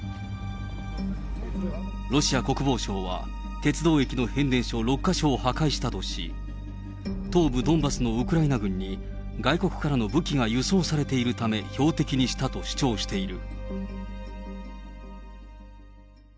ロシア国防省は、鉄道駅の変電所６か所を破壊したとし、東部ドンバスのウクライナ軍に、外国からの武器が輸送されているため、標的にしたと主張している。